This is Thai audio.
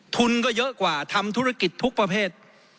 ทุนก็เยอะกว่าทำธุรกิจทุกประเภท